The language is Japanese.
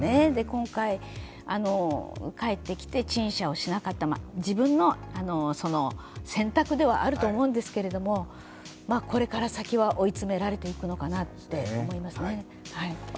今回、帰ってきて陳謝をしなかった自分の選択ではあると思うんですけれども、これから先は追い詰められていくのかなと思いますね。